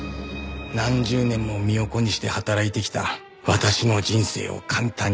何十年も身を粉にして働いてきた私の人生を簡単に奪った。